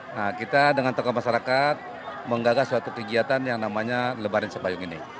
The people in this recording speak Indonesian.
nah kita dengan tokoh masyarakat menggagas suatu kegiatan yang namanya lebaran cipayung ini